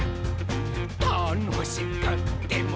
「たのしくっても」